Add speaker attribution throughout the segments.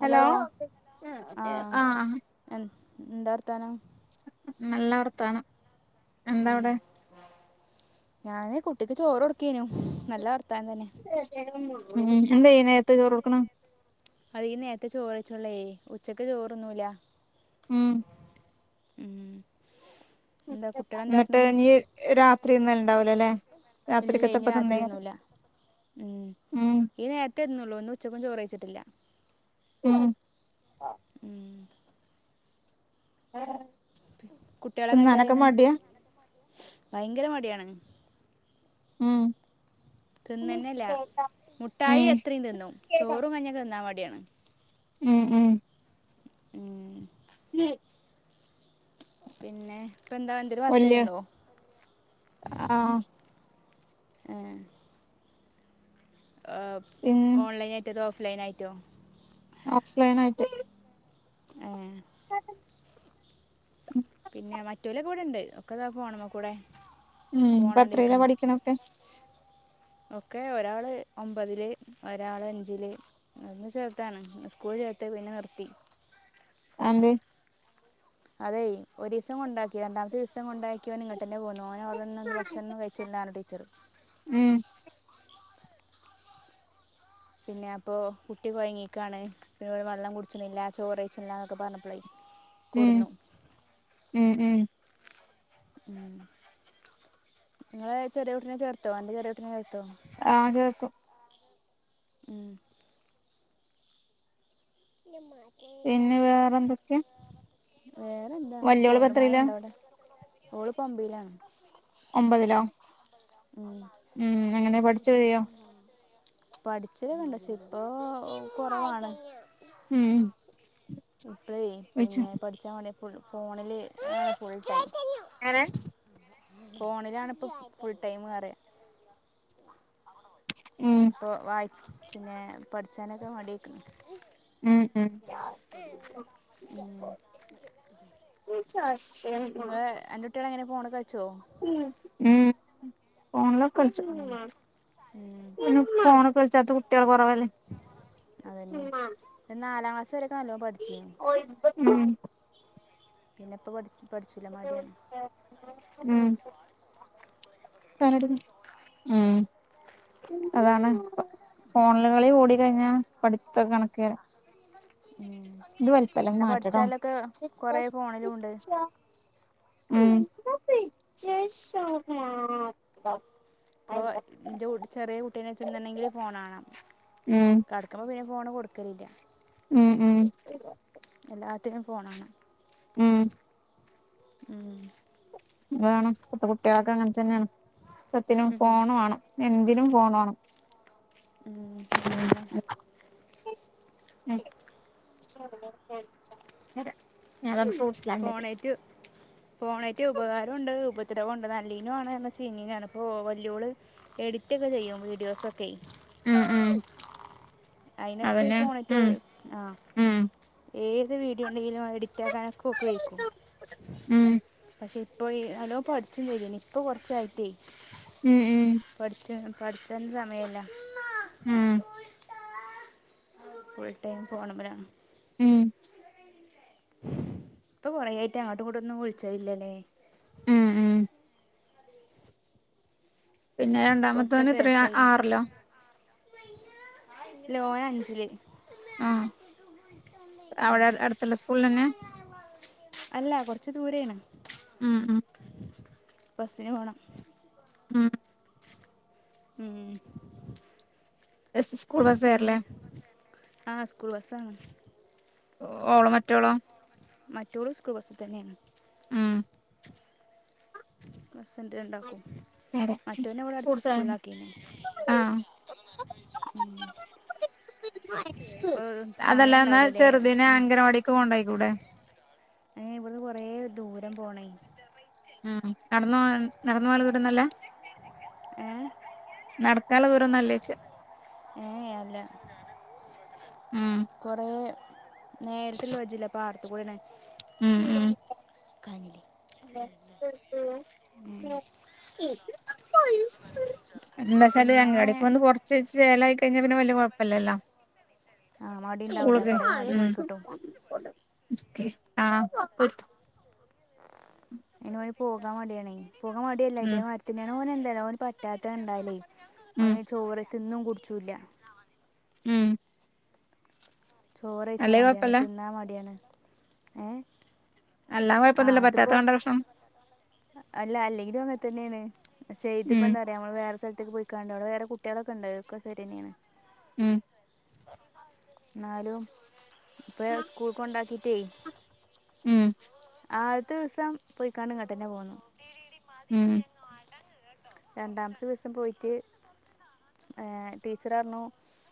Speaker 1: Hello ആഹ് എഹ് എന്താ വർത്താനം
Speaker 2: നല്ല വർത്തന എന്താവിടെ
Speaker 1: ഞാന് കുട്ടിക്ക് ചോറ് കൊടുക്കനു നല്ലർ
Speaker 2: എന്താ ഈ നേരത്തെ ചോറ് കൊടുക്കണേ
Speaker 1: അത് ഈ നേരത്തെ ചോറെയ്ച്ചൊള്ളേ ഉച്ചക്ക് ചോറുന്നൂല്ല
Speaker 2: ഉം
Speaker 1: ഉം എന്താ കുട്ടികൾ
Speaker 2: ന്നിട്ട്
Speaker 1: എന്താട്ട്ണ്
Speaker 2: നീ രാത്രി തിന്നല് ണ്ടാവലോല്ലേ
Speaker 1: ഇല്ലേ ഇനി
Speaker 2: രാത്രിക്കത്തപ്പം
Speaker 1: രാത്രി
Speaker 2: തിന്നേ
Speaker 1: തിന്നൂല ഉം
Speaker 2: ഉം
Speaker 1: ഈ നേരത്തെ ഇരുന്നുള്ളൂ ഇന്ന് ഉച്ചക്കും ചോറയ്ച്ചിട്ടില്ല
Speaker 2: ഉം
Speaker 1: ഉം കുട്ടികളൊക്കെ എന്താ ചെയ്യ്ണ്
Speaker 2: നനക്ക്മടിയാ
Speaker 1: ഭയങ്കര മടിയാണ്
Speaker 2: ഉം
Speaker 1: തിന്നന്നല്ലാ മുട്ടായി
Speaker 2: ഉം
Speaker 1: എത്രയും തിന്നും ചോറും കഞ്ഞി തിന്നാൻ മടിയാണ്
Speaker 2: ഉം ഉം
Speaker 1: ഉം
Speaker 2: [unintelligible]
Speaker 1: പിന്നെ ഇപ്പ എന്താ എന്തേലും വർക്ക്
Speaker 2: വല്യ
Speaker 1: ചെയ്യ്ണ്ടോ
Speaker 2: ആഹ്
Speaker 1: ഏ
Speaker 2: പിന്നെ
Speaker 1: ഓൺലൈനായിട്ടോ അതോ ഓഫ് ലൈനായിട്ടോ
Speaker 2: ഓഫ് ലൈനായിട്ട്
Speaker 1: ഏ
Speaker 2: ഉം
Speaker 1: പിന്നെ മറ്റോല് കൂടെ ഉണ്ട് ഒക്കെതാ ഫോണ് മ്മ കൂടെ
Speaker 2: ഉം പ്പ ത്രേല്ലാ
Speaker 1: ഫോണാണ്ടിരിക്കണ്
Speaker 2: പഠിക്കണൊക്കെ
Speaker 1: ഒക്കെ ഒരാള് ഒമ്പതില് ഒരാള് അഞ്ചില് ഒന്ന് ചേർത്താണ് സ്കൂ ളിൽചേർത്തി പിന്നെ നിർത്തി
Speaker 2: [unintelligible] അഅന്തെ
Speaker 1: അതെ ഒരു ദിവസം കൊണ്ടാക്കി രണ്ടാമത്തെ ദിവസം കൊണ്ടാ ക്കി ഓനിങ്ങട്ട്ന്നെ പോന്നു ഓനവിടെന്നന്ന് ഭക്ഷണന്നും കഴിച്ച്ല്ല പറഞ്ഞുടീച്ചറ്
Speaker 2: ഉം
Speaker 1: പിന്നെ അപ്പോ കുട്ടി കൊഴങ്ങിക്കാണ് പിന്ന വെള്ളം കുടിച്ചിണില്ല ചോറ് കഴിച്ചിണില്ലന്നൊക്കെ പറഞ്ഞപ്പളേ
Speaker 2: ഉം ഉം ഉം
Speaker 1: ഇങ്ങള് ചെറിയ കുട്ടിനെ ചേർത്തോ അന്റെ ചെറിയ കുട്ടിനെ ചേർത്തോ
Speaker 2: ആ ചേർത്തു
Speaker 1: ഉം നിമ്മ
Speaker 2: പിന്നെ വേറെ എന്തൊക്കെ വല്ലിയോള് പ്പ ത്രേല്ലാ
Speaker 1: ഓളിപ്പേ ഒമ്പയ്ലാണ്
Speaker 2: ഒമ്പതിലോ ഉം എങ്ങനെ പഠിച്ചു കഴിയോ
Speaker 1: പഠിച്ചെലക്കണ്ട് പക്ഷേ ഇപ്പോ കൊറവാണ്
Speaker 2: ഉം
Speaker 1: ഇപ്പഴേ
Speaker 2: വിളിച്ചു
Speaker 1: പിന്നെ പഠിച്ചാൻ വേണ്ടി ഫുൾ ഫോണില് ഫുൾ ടൈം
Speaker 2: ങ്ങനെ
Speaker 1: ഫോണിലാണിപ്പം ഫുൾ ടൈം പറയാ
Speaker 2: ഉം
Speaker 1: ഇപ്പോൾ വായി പിന്നെ പഠിച്ചാനൊക്കെ മടിയായിക്ക്ണ്
Speaker 2: ഉം ഉം
Speaker 1: ഉം
Speaker 2: ഒരു ജാഷേ
Speaker 1: നിങ്ങള് അന്റെ കുട്ടികൾ എങ്ങനെ ഫോണ് കളിച്ചോ
Speaker 2: ഉം ഊ ഫോണില് കളിച്ച്
Speaker 1: ഉം
Speaker 2: പൂവാം
Speaker 1: ഉം
Speaker 2: പിന്ന ഫോണക്ക വലിച്ചാത്ത കുട്ടികള് കൊറവായിരിക്കും
Speaker 1: അതന്നെ നാലാം ക്ലാസ് വരൊക്കെ നല്ലോം പഠിച്ചേനി
Speaker 2: ഉം
Speaker 1: പിന്നിപ്പ പഠി പഠിച്ചില്ല മടിയാണ്
Speaker 2: ഉ ഞാൻ [inaudible] ആ അതാണ് ഫോ ഫോണില്കളി കൂടി കഴിഞ്ഞാ പഠിത്തോക്ക കണക്ക് ന്നെ
Speaker 1: ഉം
Speaker 2: ഇത് വൽപ്പല്ല ഇത്
Speaker 1: എന്നാ
Speaker 2: മാറ്റെടാ
Speaker 1: പഠിച്ചാലൊക്കെ കൊറേ ഫോണിലും ഉണ്ട്
Speaker 2: ഊം
Speaker 1: ഇപ്പൊ എന്റെ കുട്ടി ചെറിയ കുട്ടീനെ ചെന്നണ്ടെങ്കിൽ ഫോണാണ്
Speaker 2: ഉം
Speaker 1: കെടക്കുമ്പ പി ഫോണ് കൊടുക്കലില്ല
Speaker 2: ഉം ഉം
Speaker 1: എല്ലാത്തിനും ഫോണാണ്
Speaker 2: ഉം
Speaker 1: ഊം
Speaker 2: അത് വേണം ഇപ്പ കുട്ടികൾക്ക് അങ്ങൻത്തന്നേണ് എക്കത്തിനും ഫോണ് വേണം എന്തിനും ഫോൺ വേണം
Speaker 1: ഉം അതന്നെ
Speaker 2: [unintelligible] ഫോർ സ്ലാൻഡേഡ്
Speaker 1: ഫോണേക്ക് ഉപകാരോം എണ്ട് ഉപദ്രവോണ്ട് നല്ലേനു ആണ് എന്നുച്ചു കഴിഞ്ഞഴിഞ്ഞാൽ ഇപ്പോ വല്ലോള് എഡി കുട്ടിക ചെയ്യും വീഡിയോസൊക്കെയ്
Speaker 2: അആ
Speaker 1: അയിനൊക്കെ ഈ ഫോണെനെറ്റുള്ളത് ആ
Speaker 2: ഉം
Speaker 1: ഏത് വീഡിയോ എണ്ടെങ്കിലും അത് എഡിറ്റാക്കാനൊക്കെക്കു ഉപയോഗിക്കും
Speaker 2: ഉം
Speaker 1: പക്ഷേ ഇപ്പോ ഈ അല്ലോം പഠിച്ചു ചെയനി ഇപ്പൊ കൊറച്ചായിട്ടേ
Speaker 2: ഉം ഉം
Speaker 1: പഠിച്ചാൻ സമയില്ല
Speaker 2: ഊം
Speaker 1: ഫുൾ ടൈം ഫോണുമലാണ്
Speaker 2: ഉം
Speaker 1: ഇപ്പൊ കൊറേ ആയിട്ട് അങ്ങോട്ടും ഇങ്ങോട്ടൊന്നും വിളിച്ചലില്ലല്ലേ
Speaker 2: ഉം ഉം പിന്നെ
Speaker 1: ഇപ്പൊ
Speaker 2: രണ്ടാമത്തോൻ എത്ര ആറിലോ
Speaker 1: ല്ല ഓൻ അഞ്ചില്
Speaker 2: ആഹ് അവിടെ അടുത്തുള്ള സ്കൂളിലന്ന
Speaker 1: അല്ല കൊറച്ച് ദൂരെയണ്
Speaker 2: ഉം ഉം
Speaker 1: ബസിന് പോണം
Speaker 2: ഉം
Speaker 1: ഉം
Speaker 2: ബസ് സ്കൂൾ ബസ് വരല്ലേ
Speaker 1: ആഹ് സ്കൂൾ ബസണ്
Speaker 2: ഓൾ മറ്റോളോ
Speaker 1: മറ്റൊളു സ്കൂൾ ബസ് തന്നെയാണ്
Speaker 2: ഉം
Speaker 1: ഹസ്ബൻഡ് കൊണ്ടാക്കും മറ്റവനെ ഇവിടെ അടുത്ത് സ്കൂളിലാക്കി
Speaker 2: ആഹ്
Speaker 1: ഇപ്പോൾ
Speaker 2: അതല്ല
Speaker 1: സമയം
Speaker 2: എന്നാ
Speaker 1: ഉണ്ടാവില്ലല്ലേ
Speaker 2: ചെറുതിനെ അങ്കനവാടിക്ക് കൊണ്ടായിക്കൂടെ
Speaker 1: അഹ് ഇവിടിന് കൊറെേ ദൂരം പോണേ
Speaker 2: ഉം നടന്ന് പോവാൻ നടന്ന് പോവാലുള്ള ദൂരോന്നല്ല
Speaker 1: ഏഹ്
Speaker 2: നടക്കാലുള്ള ദൂരോന്നല്ലേ ചോച്ച
Speaker 1: ഏഹ് അല്ല
Speaker 2: ഉം
Speaker 1: കൊറേ നേരിട്ടല്ല വഴില്ല പാടത്ത്ക്കുടാണ്
Speaker 2: ഉം ഉം എന്താച്ചാല്
Speaker 1: പിന്നെ
Speaker 2: അംഗൻവാടിക്ക്‌ പൊന്ന് കൊറച്ച് ചെല കഴിഞ്ഞ പിന്നെ വല്യ കുഴപ്പല്ലല്ലോ
Speaker 1: ആ മടി ഉണ്ടാവില്ല
Speaker 2: സ്കൂളൊക്കെ
Speaker 1: കുറേ മടി പോയി കിട്ടും
Speaker 2: ഉം ആഹ്
Speaker 1: പിന്നെ ഓന് പോകാൻ മടിയണേ പോകാൻ മടിയല്ല
Speaker 2: ഉം
Speaker 1: ഇതേ മരത്തിന്നെയാണ് ഓന് എന്താല് ഓന് പറ്റാത്തണ്ടല്ലേ
Speaker 2: ഉം
Speaker 1: ഓന് ചോർത്തിന്നും കുടിച്ചൂല്ല
Speaker 2: ഉം
Speaker 1: ചോറഴ്ച്ചാൻ
Speaker 2: അല്ലേ
Speaker 1: മടിയാണ്
Speaker 2: കൊഴപ്പല്ല
Speaker 1: തിന്നാ മടിയാണ് ഏഹ്
Speaker 2: എല്ലാം കുഴപ്പൊന്നുവില്ല പറ്റാതൊണ്ട പ്രശ്നം
Speaker 1: അല്ല അല്ലെങ്കിലും അങ്ങനെ ഇപ്പ
Speaker 2: ഉം
Speaker 1: എന്താറിയ നമ്മള് വേറെ സ്ഥ ത്തേക്ക് പോയിക്കാണ്ട് അവിടെ വേറേ കുട്ടികളൊക്കെ ഉണ്ട് ക്കെ ശരി തന്നെയാണ്
Speaker 2: ഉം
Speaker 1: എന്നാലും ഇപ്പ സ്കൂൾ കൊണ്ടാക്കിട്ടേ
Speaker 2: ഉം
Speaker 1: ആദ്യത്ത ദിവസം പോയിക്കാണ്ട് ഇങ്ങാട്ടന്നെ പോന്നു
Speaker 2: ഉം
Speaker 1: രണ്ടാമത്തെ ദിവസം പോയിട്ട് ഏഹ് ടീച്ചററഞ്ഞു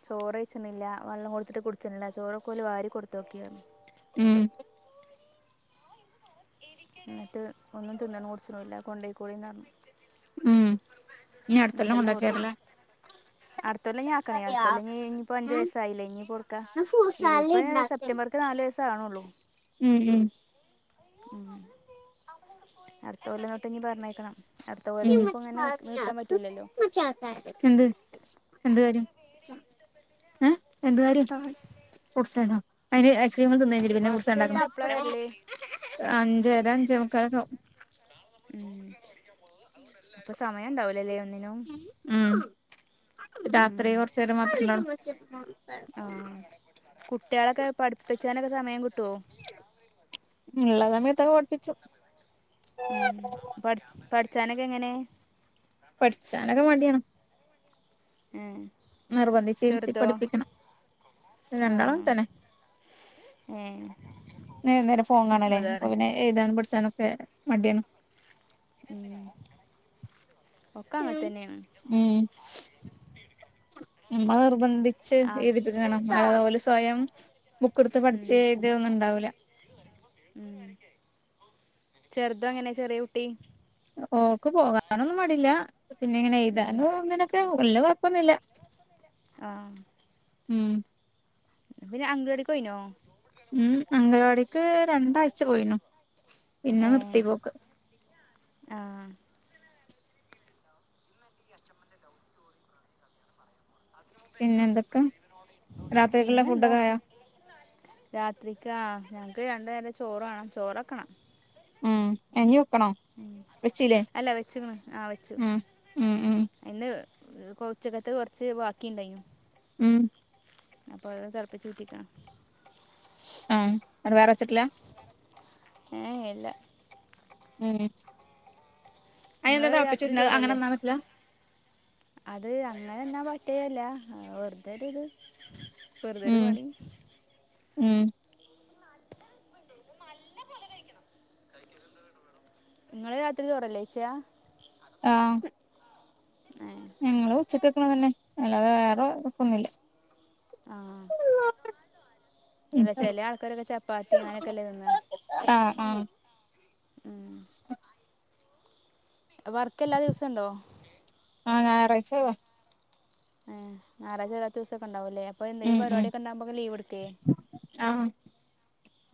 Speaker 1: ചോറയച്ചണില്ല വെള്ളം കൊടുത്തിട്ട് കുടിച്ചണില്ല ചോറൊക്കെ ഓല് വാരി കൊടുത്ത് നോക്കിയെന്ന്
Speaker 2: ഉം
Speaker 1: എന്നിട്ട് ഒന്നും തിന്നാണും കുടിച്ചണും ഇല്ല കൊണ്ട് പോയിക്കോളിന്ന് പറഞ്ഞു
Speaker 2: ഉം ഇനി അടുത്തെല്ലാം കൊണ്ടാക്കിയരല്ലേ
Speaker 1: അടുത്തൊല്ലാം ഇനി ആക്കണം അടുത്തല്ല ഇനി ഇപ്പൊ അഞ്ച് വയസായില്ലേ ഇനി കൊടുക്ക ഇതിപ്പ സെപ്റ്റംബർക്ക് നാല് വയസ്സ് ആവേണെള്ളൂ
Speaker 2: ഉം ഉം
Speaker 1: അട്ത്തകൊല്ല തൊട്ട് ഇഞ് പറഞ്ഞേക്കണം അടുത്ത കൊല്ലം
Speaker 2: മ്
Speaker 1: ഇനിയിപ്പോൾ ഇങ്ങനെ നിക്ക് നിർത്താൻ പറ്റൂലല്ലോ
Speaker 2: എന്ത് [inaudible] [unintelligible] ഫ്രൂട്ട്സ്ണ്ടാ
Speaker 1: വർക്ക് കഴിഞ്ഞിട്ട് എപ്പോഴാണ് വരലേ
Speaker 2: അഞ്ചര അഞ്ചേമുക്കാലക്കവും
Speaker 1: ഉം അപ്പൊ സമയണ്ടാവുലല്ലേ ഒന്നിനും
Speaker 2: ഉം രാത്രി
Speaker 1: ഉം.
Speaker 2: കൊർച്ചേരമാത്രണ്ടാവു
Speaker 1: ആ കുട്ടിളെക്കെ പഠിപ്പിച്ചാനൊക്കെ സമയം കിട്ടോ
Speaker 2: ഇള്ള സമയത്തൊക്കെ പഠപ്പിച്ചു
Speaker 1: ഉം പട് പഠിച്ചാനൊക്കെങ്ങനെ
Speaker 2: പട്ച്ചാനൊക്കെ മടിയാണ്
Speaker 1: ഏ
Speaker 2: നിർബന്ധിച്ചിരുത്തി
Speaker 1: ചെറുതോ
Speaker 2: പഠിപ്പിക്കണം രണ്ടാളും
Speaker 1: ആഹ്
Speaker 2: അങ്ങൻതന്നെ
Speaker 1: ഏഹ്
Speaker 2: ഏ നേരം
Speaker 1: ഉം
Speaker 2: ഫോകാണല്ലേ അപ്പൊ
Speaker 1: അതാണ്
Speaker 2: പിന്നെ എയ്താനും പഠിച്ചാനൊക്കെ മടിയാണ്
Speaker 1: മ് ഒക്കങ്ങൻതന്നെണ്
Speaker 2: മ്മ നിർബന്ധിച്ച് എഴു
Speaker 1: ആഹ്
Speaker 2: എഴുതിപ്പിക്കണം ഓല് സ്വയം ബുക്ക്ട്ത്ത്
Speaker 1: ഉം
Speaker 2: പഠിച്ചെ എയ്തേ ഒന്നും ണ്ടാ
Speaker 1: ചെർത് അങ്ങനെ ചെറേകുട്ടി
Speaker 2: ഓക്ക് പോവാനൊന്നും മടില്ല പിന്നെ ഇങ്ങനെ
Speaker 1: ഉം
Speaker 2: എഴുതാനു തിനൊക്കെ വല്ല്യ കൊഴപ്പൊന്നില്ല
Speaker 1: ആഹ്
Speaker 2: മ്ഹ്
Speaker 1: ഇവര് അഗടികൊയിനോ
Speaker 2: മ് അംഗലവാടിക്ക് രണ്ടാഴ്ച പോയിനു പിന്നെ
Speaker 1: ഏഹ്
Speaker 2: നിർത്തി പോക്ക്.
Speaker 1: ആഹ്
Speaker 2: പിന്നെ എന്തൊക്കെ രാത്രിക്കുള്ള
Speaker 1: പിന്നെന്ത
Speaker 2: ഫുഡൊക്കെ ആയോ
Speaker 1: രാത്രിക്കാ ഞങ്ങക്ക് രണ്ടേരം ചോറ് വാണം ചോറക്കണം
Speaker 2: മ് [unintelligible]
Speaker 1: അല്ല വെച്ച്ക്ക്‌ണ് ആഹ് വെച്ചു
Speaker 2: ഉം ഉം ഉം
Speaker 1: ഇന്ന് ഹ് ഉച്ചകത്തെ കൊർച്ച് വാക്കിണ്ടേയിനു
Speaker 2: ഉമ്
Speaker 1: അപ്പ അഹ് തൾപിച്ചൂറ്റിക്ക്ണ്
Speaker 2: ന്ന്ട്ട് വേറെ വെച്ചിട്ടില്ല
Speaker 1: ഏഹ് ഏഹ് ഇല്ല
Speaker 2: ഉമ്
Speaker 1: ങ്ങള് രാത്രി ചോറല്ലെ അത് അങ്ങനെന്നാ ബാ റ്റേ ല്ല ഏഹ് വെറുതരു ത് വെറുതൊരു പണി
Speaker 2: ഉമ്
Speaker 1: നിങ്ങള് രാത്രി ചോറല്ലേ കഴിച്ചേ
Speaker 2: ആ ഞങ്ങള് ഉച്ചക്ക്ക്കെ അതന്നെ അല്ലാതെ വേറെ വെക്കൊന്നില്ല
Speaker 1: ആഹ്
Speaker 2: ഉം
Speaker 1: അല്ല ചെല ആൾക്കാരൊക്കെ ചപ്പാത്തി അങ്ങനെയൊക്കെല്ലേ തിന്നെ
Speaker 2: ആഹ് ആഹ് [inaudible]
Speaker 1: വർക്ക് എല്ലാ ദിവസണ്ടോ
Speaker 2: ആ ഞാറാഴ്ച ഒയിവാ
Speaker 1: ഏ ഞാറാഴ്ച അല്ലാത്ത ദേവസൊക്കെ ഒണ്ടോ ഇണ്ടാവുലെ അപ്പൊ എന്തേലും
Speaker 2: ഉം ഉം
Speaker 1: പരിപടിയൊക്കെ ഉണ്ടാവുമ്പോക്കെ ലീവ് എട്ക്കേ
Speaker 2: ആഹ്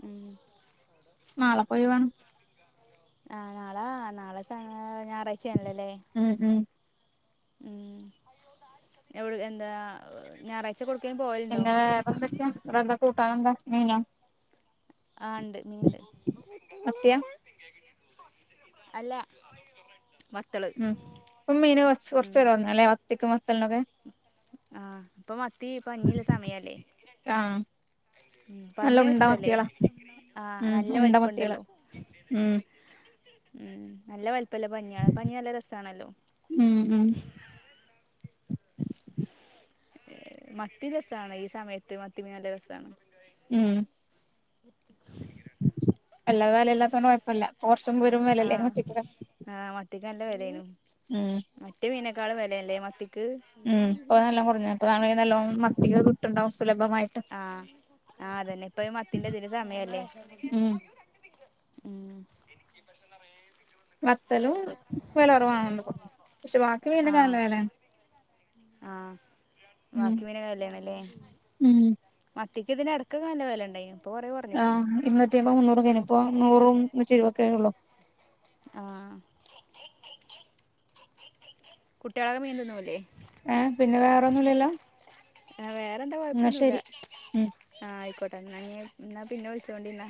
Speaker 1: ഉം
Speaker 2: നാളെ പോയിവാണം
Speaker 1: ആ നാളെ നാളെ സ ഞായറാഴ്ച്ച ആണോല്ലേ ഇല്ലേ
Speaker 2: ഉം ഉം
Speaker 1: ഉം എവിടെ എന്താ ഞായറാ
Speaker 2: പിന്നെ [unintelligible] അവിടെ എന്താ കൂട്ടാനെന്താ മീനോ
Speaker 1: ആ ഇണ്ട് മീനുണ്ട്
Speaker 2: മത്തിയാ
Speaker 1: അല്ല വത്തള്
Speaker 2: ഉം ഇപ്പോ മീന് കൊറച്ച്
Speaker 1: ഉം
Speaker 2: കൊറച്ച് വെല കൊറഞ്ഞു മത്തിക്കും വത്തലിനും ഒക്കെ
Speaker 1: ആ അപ്പൊ മത്തി പരിഞ്ഞിയുള്ള സമയല്ലേ
Speaker 2: ആഹ് നല്ല
Speaker 1: പരഞ്ഞ
Speaker 2: ഉണ്ട
Speaker 1: ഇഷ്ടല്ലേ
Speaker 2: മത്തികളാ
Speaker 1: ആ
Speaker 2: ഉം
Speaker 1: നല്ല
Speaker 2: ഉണ്ട
Speaker 1: വലിപ്പം
Speaker 2: മത്തികള്
Speaker 1: ഇണ്ടല്ലോ.
Speaker 2: ഉം
Speaker 1: ഉം നല്ല വലിപ്പല്ല പരിഞയാണ് പരിഞ്ഞി നല്ല രസാണല്ലോ.
Speaker 2: ഉം ഉം
Speaker 1: മത്തി രസമാണ് ഈ സമയത്ത് മത്തിമീൻ നല്ല രസമാണ്.
Speaker 2: ഉം
Speaker 1: [inaudible]
Speaker 2: അല്ലാതെ വെല ഇല്ലാത്തോണ്ട് കൊഴപ്പമില്ല
Speaker 1: ആഹ്
Speaker 2: [unintelligible]
Speaker 1: ആഹ് മത്തിക്ക് നല്ല വെലേന്നു മറ്റേ മീനേക്കാളും വെലല്ലേ മത്തി
Speaker 2: ഉം പ്പ നല്ലോം കൊർഞ്ഞ് അപ്പൊ വാണെങ്കി നല്ലോം മത്തിക്ക് കിട്ട്ണ്ടാവും
Speaker 1: ആ ആ അതെന്നെ ഇപ്പൊ മത്തിൻ്റെ തിന് സമയല്ലേ
Speaker 2: ഉം
Speaker 1: ഉം.
Speaker 2: വത്തലും വെല കുറവാന്ന് പക്ഷെ ബാക്കി മീനൊക്കെ നല്ല വെലേ
Speaker 1: ആ ബാക്കി മീന് വെലേണ് ല്ലേ
Speaker 2: ഉം
Speaker 1: മത്ത് [unintelligible]
Speaker 2: [unintelligible] ഇപ്പ [unintelligible]
Speaker 1: ആ. കുട്ടികളൊക്കെ മീൻ തിന്നൂലേ?
Speaker 2: ഏ പിന്നെ വേറെന്നുല്ലല്ലോ
Speaker 1: വേറെന്താ
Speaker 2: എന്ന ശെരി ഉം.
Speaker 1: എന്നാ പിന്നെ വിളിച്ചോണ്ടിന്നാ